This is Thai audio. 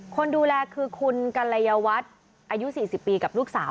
คนดูแลคือคุณกัลยวัตรอายุ๔๐ปีกับลูกสาว